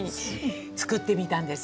作ってみたんですよ。